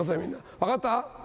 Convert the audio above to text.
分かった？